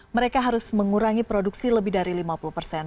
mereka harus mengurangi produksi lebih dari lima puluh persen